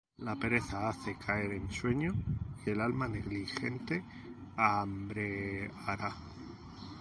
La pereza hace caer en sueño; Y el alma negligente hambreará.